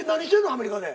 アメリカで。